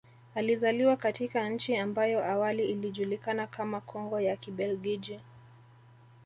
Alizaliwa katika nchi ambayo awali ilijukana kama Kongo ya Kibelgiji